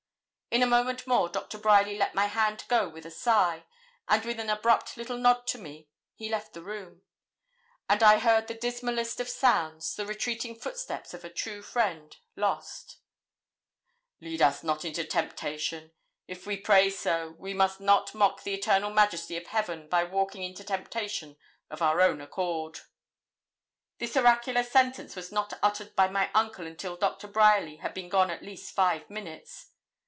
In a moment more Doctor Bryerly let my hand go with a sigh, and with an abrupt little nod to me, he left the room; and I heard that dismallest of sounds, the retreating footsteps of a true friend, lost. 'Lead us not into temptation; if we pray so, we must not mock the eternal Majesty of Heaven by walking into temptation of our own accord.' This oracular sentence was not uttered by my uncle until Doctor Bryerly had been gone at least five minutes.